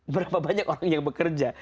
berapa banyak orang yang bekerja